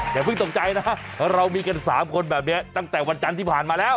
อย่าเพิ่งตกใจนะเรามีกัน๓คนแบบนี้ตั้งแต่วันจันทร์ที่ผ่านมาแล้ว